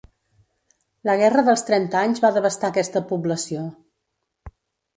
La Guerra dels Trenta Anys va devastar aquesta població.